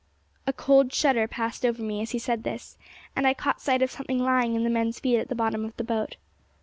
A cold shudder passed over me as he said this, and I caught sight of something lying at the men's feet at the bottom of the boat.